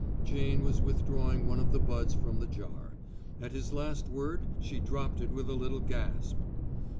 Jane was withdrawing one of the buds from the jar. At his last word, she dropped it with a little gasp.